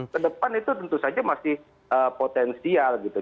ke depan itu tentu saja masih potensial gitu